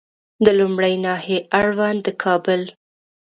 د لومړۍ ناحیې اړوند د کابل